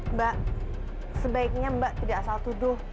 mbak sebaiknya mbak tidak asal tuduh